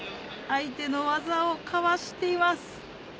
相手の技をかわしています